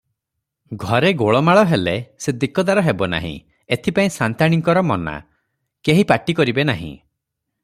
ଘରେ ଗୋଳମାଳ ହେଲେ ସେ ଦିକଦାର ହେବେ, ଏଥିପାଇଁ ସାନ୍ତାଣୀଙ୍କର ମନା, କେହି ପାଟି କରିବେ ନାହିଁ ।